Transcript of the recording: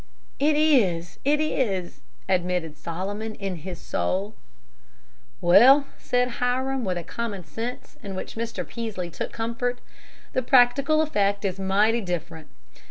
"It is, it is!" admitted Solomon, in his soul. "Well," said Hiram, with a common sense in which Mr. Peaslee took comfort, "the practical effect is mighty different.